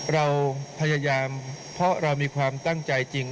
เราพยายามเพราะเรามีความตั้งใจจริง